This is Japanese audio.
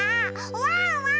ワンワーン！